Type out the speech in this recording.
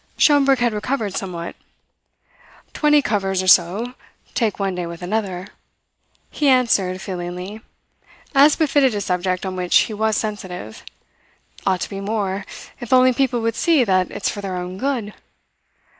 Schomberg had recovered somewhat. "Twenty covers or so, take one day with another," he answered feelingly, as befitted a subject on which he was sensitive. "Ought to be more, if only people would see that it's for their own good.